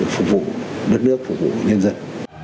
phục vụ đất nước phục vụ nhân dân